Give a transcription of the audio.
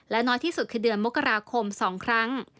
และน้อยที่สุดคือเดือนมกราคม๒ครั้ง